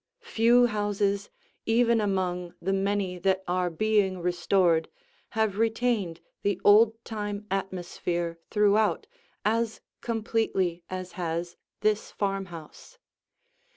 Few houses, even among the many that are being restored, have retained the old time atmosphere throughout as completely as has this farmhouse.